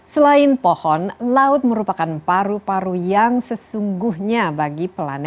selain pohon laut merupakan paru paru yang sesungguhnya bagi pelan